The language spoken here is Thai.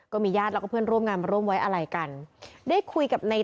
ก็มียาดแล้วก็เพื่อนร่วมงานมร่วมไว้อาหารการได้คุยกับในตามนะ